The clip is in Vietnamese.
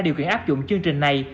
điều kiện áp dụng chương trình này